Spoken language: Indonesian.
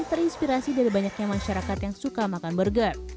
terinspirasi dari banyaknya masyarakat yang suka makan burger